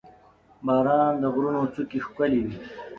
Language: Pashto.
• باران د غرونو څوکې ښکلې کوي.